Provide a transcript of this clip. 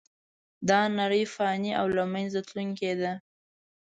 دا نړۍ فانې او له منځه تلونکې ده .